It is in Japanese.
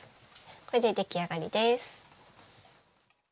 これで出来上がりです。